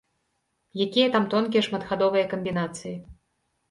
Якія там тонкія шматхадовыя камбінацыі?